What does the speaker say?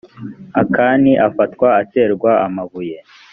akani afatwa aterwa amabuye